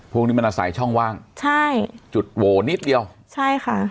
พวกนี้มันอาศัยช่องว่างใช่จุดโหวนิดเดียวใช่ค่ะ